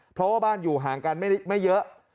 เพราะว่าบ้านอยู่ห่างกันไม่เยอะ